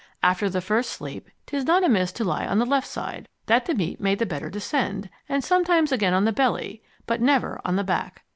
After the first sleep 'tis not amiss to lie on the left side, that the meat may the better descend, and sometimes again on the belly, but never on the back.